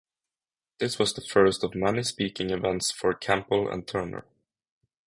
This was the first of many speaking events for Campbell and Turner.